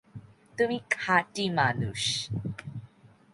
তুমি খাঁটি মানুষ।